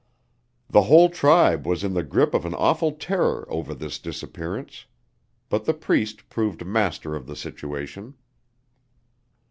The whole tribe was in the grip of an awful terror over this disappearance. But the Priest proved master of the situation.